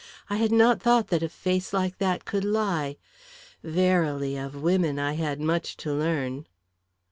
I had not thought that a face like that could lie! Verily, of women I had much to learn!